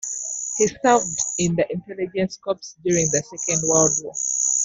He served in the Intelligence Corps during the Second World War.